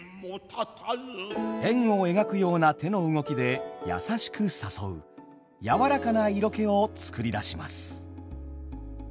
円を描くような手の動きでやさしく誘う「やわらかな色気」を作り出します。